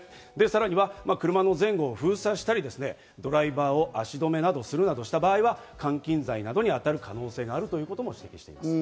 さらには車の前後を封鎖したり、ドライバーの足止めをするなどした場合は、監禁罪などに当たる可能性があるとしています。